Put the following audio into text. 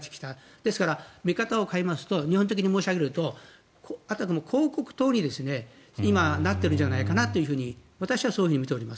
ですから、見方を変えますと日本的に申し上げるとあたかも広告塔に今、なっているんじゃないかと私はそういうふうに見ています。